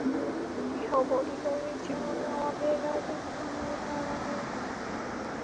কেহ বলিল, এ যেন নবাবের রাজত্ব হয়ে দাঁড়ালো।